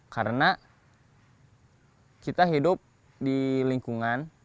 karena kita hidup di lingkungan